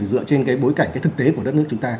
dựa trên cái bối cảnh cái thực tế của đất nước chúng ta